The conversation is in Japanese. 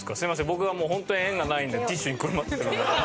僕がホントに縁がないのでティッシュにくるまってる。